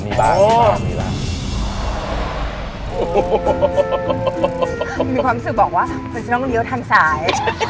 มีความรู้สึกบอกว่ามันจะต้องเลี้ยวทางซ้าย